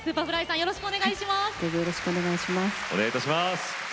よろしくお願いします。